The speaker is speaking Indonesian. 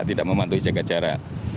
tidak mematuhi jaga jarak